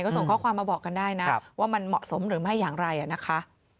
ก็ส่งข้อความมาบอกกันได้นะว่ามันเหมาะสมหรือไม่อย่างไรนะคะ